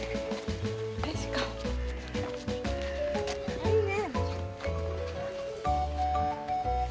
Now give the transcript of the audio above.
あいいね！